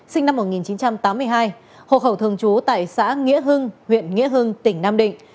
sinh năm một nghìn chín trăm tám mươi hai hộ khẩu thường trú tại xã nghĩa hưng huyện nghĩa hưng tỉnh nam định